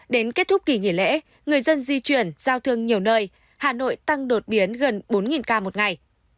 đến kết thúc kỳ nghỉ lễ người dân di chuyển giao thương nhiều nơi hà nội tăng đột biến gần bốn ca một ngày